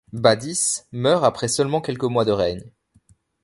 Badis meurt après seulement quelques mois de règne.